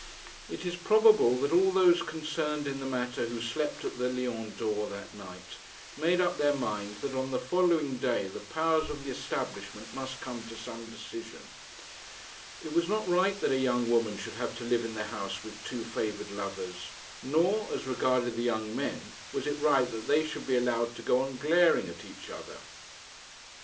It is probable that all those concerned in the matter who slept at the Lion d'Or that night, made up their minds that on the following day the powers of the establishment must come to some decision. It was not right that a young woman should have to live in the house with two favoured lovers; nor, as regarded the young men, was it right that they should be allowed to go on glaring at each other.